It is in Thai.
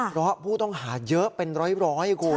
เพราะผู้ต้องหาเยอะเป็นร้อยคุณ